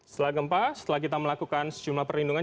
setelah gempa setelah kita melakukan sejumlah perlindungan